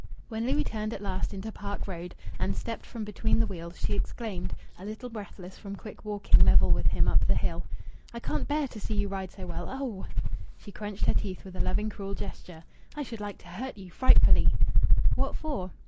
When Louis turned at last into Park Road, and stepped from between the wheels, she exclaimed, a little breathless from quick walking level with him up the hill "I can't bear to see you ride so well. Oh!" She crunched her teeth with a loving, cruel gesture. "I should like to hurt you frightfully!" "What for?"